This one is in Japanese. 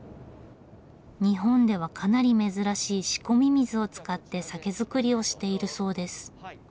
日本ではかなり珍しい仕込み水を使って酒造りをしているそうです。